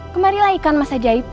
kemarilah ikan mas ajaib